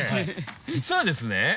実はですね